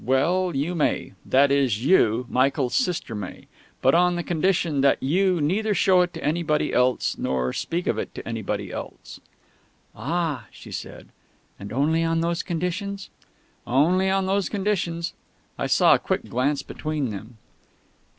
"Well, you may. That is, you, Michael's sister, may. But on the condition that you neither show it to anybody else nor speak of it to anybody else." "Ah!" she said.... "And only on those conditions?" "Only on those conditions." I saw a quick glance between them.